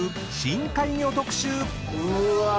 うわ！